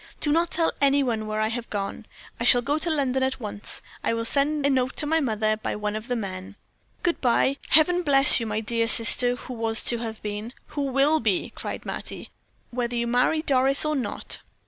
Do not tell any one where I have gone. I shall go to London at once. I will send a note to my mother by one of the men. Good bye! Heaven bless you, my dear sister who was to have been " "Who will be," cried Mattie, "whether you marry Doris or not!"